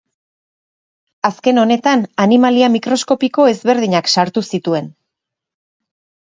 Azken honetan animalia mikroskopiko ezberdinak sartu zituen.